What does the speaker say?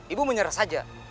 ibu menyerah saja